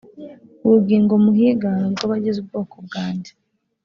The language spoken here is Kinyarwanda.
ubugingo muhiga ni ubw abagize ubwoko bwanjye